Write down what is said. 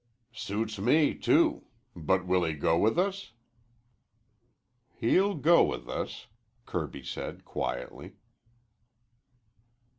"Suits me, too. But will he go with us?" "He'll go with us," Kirby said quietly.